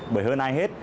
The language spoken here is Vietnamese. bởi hơn ai hết